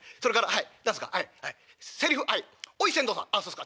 はい。